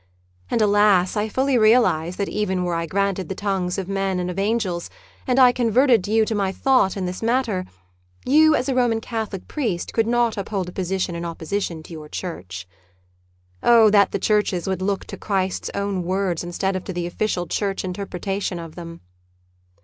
And, alas ! I fully realise that even were I granted the tongues of men and of angels, and I converted you to my thought in this matter, you as a Roman Catholic priest could not uphold a position in opposition to your Church. Oh, that the Churches would look to Christ's own words instead of to the official Church interpretation of them